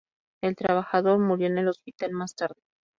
El trabajador murió en el hospital más tarde.